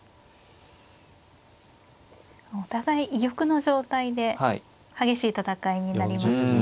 お互い居玉の状態で激しい戦いになりますね。